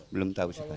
belum tahu sekarang